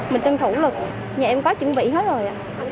mình tân thủ lực nhà em có chuẩn bị hết rồi